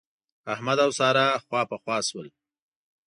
احمد او سارا خواپخوا شول.